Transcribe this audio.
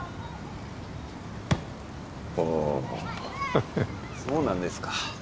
おおそうなんですか